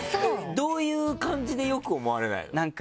どういう感じで良く思われないの？